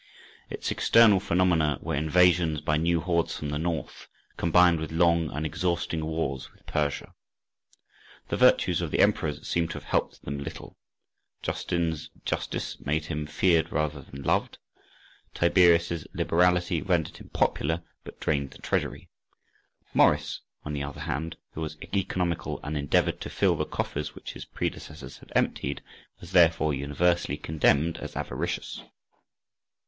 Its external phenomena were invasions by new hordes from the north, combined with long and exhausting wars with Persia. The virtues of the emperors seem to have helped them little: Justin's justice made him feared rather than loved; Tiberius's liberality rendered him popular, but drained the treasury; Maurice, on the other hand, who was economical and endeavoured to fill the coffers which his predecessors had emptied, was therefore universally condemned as avaricious.